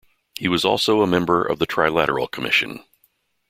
He was also a member of the Trilateral Commission.